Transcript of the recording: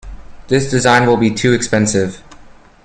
This design will be too expensive.